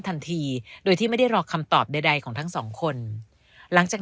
ทันทีโดยที่ไม่ได้รอคำตอบใดใดของทั้งสองคนหลังจาก